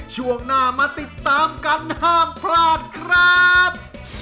ช่วงหน้ามาติดตามกันห้ามพลาดครับ